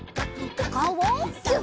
おかおをギュッ！